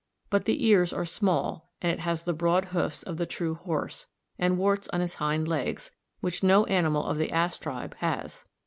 But the ears are small, and it has the broad hoofs of the true horse, and warts on his hind legs, which no animal of the ass tribe has.